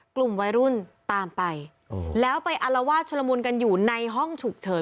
กลุ่มวัยรุ่นตามไปแล้วไปอารวาสชลมุนกันอยู่ในห้องฉุกเฉิน